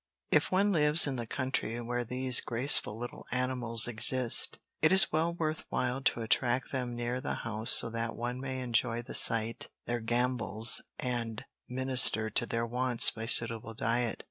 If one lives in the country where these graceful little animals exist, it is well worth while to attract them near the house so that one may enjoy the sight their gambols and minister to their wants by suitable diet.